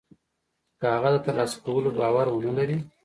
که هغه د تر لاسه کولو باور و نه لري.